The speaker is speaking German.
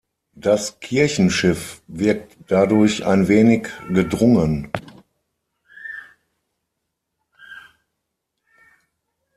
Das Kirchenschiff wirkt dadurch ein wenig gedrungen.